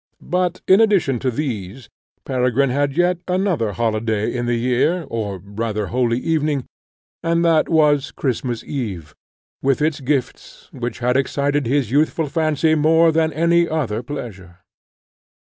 But in addition to these, Peregrine had yet another holiday in the year, or rather holy evening, and that was Christmas Eve, with its gifts, which had excited his youthful fancy more than any other pleasure.